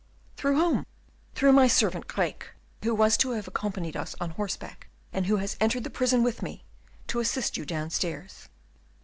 "Through whom?" "Through my servant Craeke, who was to have accompanied us on horseback, and who has entered the prison with me, to assist you downstairs."